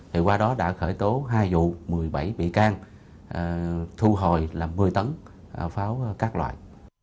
thì qua đó đã khởi tố hai vụ một mươi bảy bị can thu hồi là một mươi tấn pháo các loại